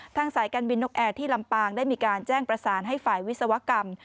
สายการบินนกแอร์ที่ลำปางได้มีการแจ้งประสานให้ฝ่ายวิศวกรรม